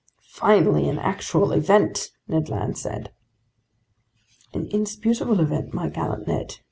"Finally, an actual event," Ned Land said. "An indisputable event, my gallant Ned.